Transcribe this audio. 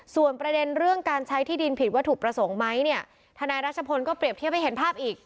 ส่วนประเด็นเรื่องการใช้ที่ดินผิดวัตถุประสงค์ไหมเนี่ยทนายรัชพลก็เปรียบเทียบให้เห็นภาพอีก